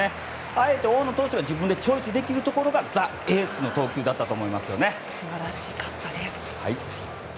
あえて、大野投手が自分でチョイスできるところがザ・エースの投球だったと思います。